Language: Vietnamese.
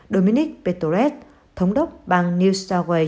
dominic petorez thống đốc bang new south wales